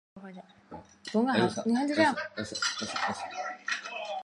他生于古希腊萨摩斯岛。